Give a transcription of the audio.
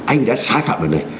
anh đã sai phạm được này